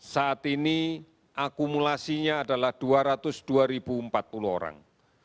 saat ini akumulasinya adalah dua ratus dua empat puluh orang